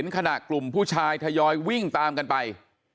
ขณะกลุ่มผู้ชายทยอยวิ่งตามกันไป